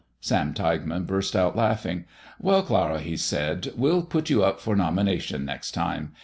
Sam Tilghman burst out laughing. "Well, Clara," he said, "we'll put you up for nomination next time.